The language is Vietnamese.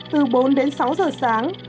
từ bốn đến sáu giờ sáng